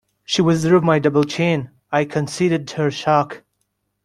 She withdrew my double chin; I conceded her shark.